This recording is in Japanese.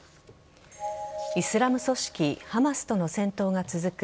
イスラム組織・ハマスとの戦闘が続く